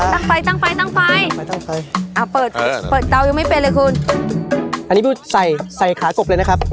ตั้งไปตั้งไปตั้งไปไม่ต้องไปอ่าเปิดเปิดเตายังไม่เป็นเลยคุณอันนี้พูดใส่ใส่ขากบเลยนะครับ